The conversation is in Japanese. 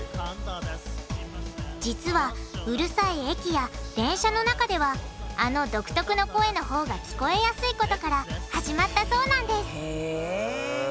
実はうるさい駅や電車の中ではあの独特の声のほうが聞こえやすいことから始まったそうなんですへぇ。